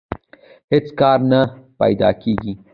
هېڅ کار نه پیدا کېږي